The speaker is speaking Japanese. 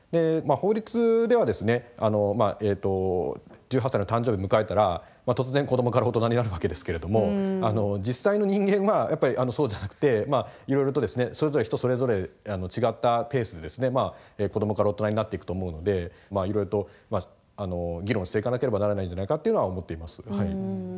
まあ法律ではですね１８歳の誕生日迎えたら突然子どもから大人になるわけですけれども実際の人間はやっぱりそうじゃなくてまあいろいろとですね人それぞれ違ったペースで子どもから大人になっていくと思うのでまあいろいろと議論していかなければならないんじゃないかっていうのは思っています。